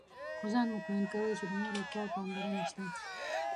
خو ځان مطمئن کوي چې د مور او پلار پاملرنه شته.